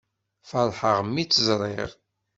Ferḥeɣ mi tt-ẓriɣ.